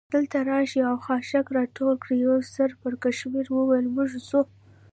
دلته راشئ او خاشاک را ټول کړئ، یوه سر پړکمشر وویل: موږ ځو.